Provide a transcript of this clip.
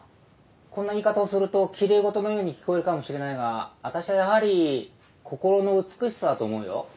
こんな言い方をすると奇麗事のように聞こえるかもしれないが私はやはり心の美しさだと思うよ。